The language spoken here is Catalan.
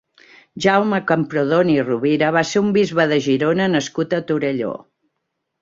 Jaume Camprodon i Rovira va ser un bisbe de Girona nascut a Torelló.